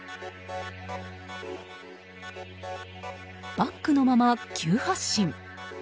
バックのまま、急発進。